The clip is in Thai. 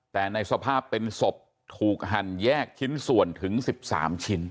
แต่ในสภาพเป็นศพถูกหั่นแยกชิ้นส่วนถึง๑๓ชิ้น